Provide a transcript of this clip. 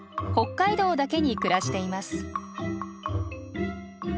北海道だけに暮らしています。